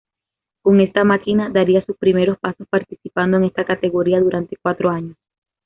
Con esta máquina, daría sus primeros pasos participando en esta categoría durante cuatro años.